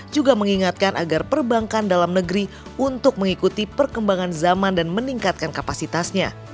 juga mengingatkan agar perbankan dalam negeri untuk mengikuti perkembangan zaman dan meningkatkan kapasitasnya